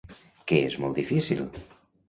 Què és molt difícil?